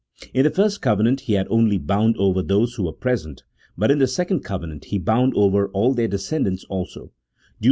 In the first covenant he had only bound over those who were present, but in the second covenant he bound over all their descendants also (Deut.